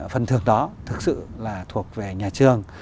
phần thường đó thực sự là thuộc về nhà trường